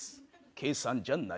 計算じゃない。